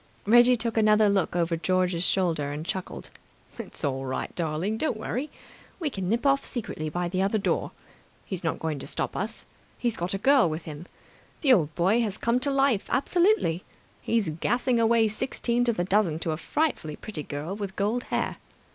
Reggie took another look over George's shoulder and chuckled. "It's all right, darling. Don't worry. We can nip off secretly by the other door. He's not going to stop us. He's got a girl with him! The old boy has come to life absolutely! He's gassing away sixteen to the dozen to a frightfully pretty girl with gold hair.